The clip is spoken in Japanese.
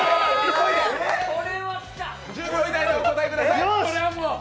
１０秒以内でお答えください。